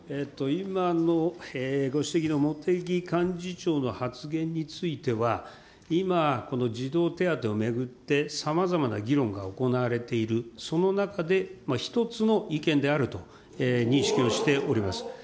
今のご指摘の茂木幹事長の発言については、今、この児童手当を巡ってさまざまな議論が行われている、その中で一つの意見であると認識をしております。